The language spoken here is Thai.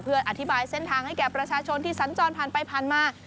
เพื่ออธิบายเส้นทางให้แก่ประชาชนที่สัญจรผ่านไปผ่านมา